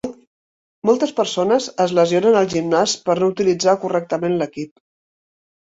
Moltes persones es lesionen al gimnàs per no utilitzar correctament l'equip.